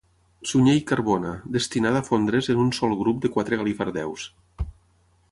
Sunyer i Carbona, destinada a fondre's en un sol grup de quatre galifardeus.